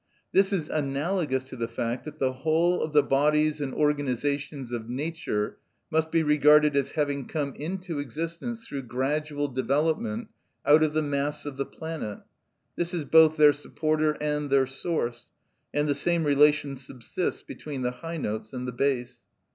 This is analogous to the fact that the whole of the bodies and organisations of nature must be regarded as having come into existence through gradual development out of the mass of the planet; this is both their supporter and their source, and the same relation subsists between the high notes and the bass.